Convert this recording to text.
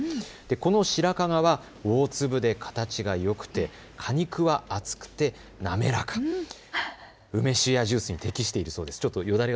この白加賀は大粒で形がよくて果肉は厚くて滑らか、梅酒やジュースに適しているそうです。